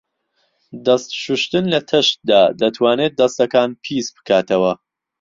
دەست شوشتن لە تەشتدا دەتوانێت دەستەکان پیسبکاتەوە.